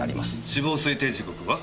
死亡推定時刻は？